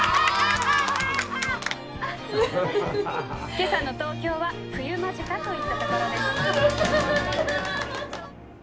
「今朝の東京は冬間近といったところです」。